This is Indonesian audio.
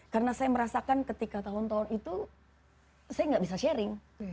karena saya merasakan ketika tahun tahun itu saya nggak bisa sharing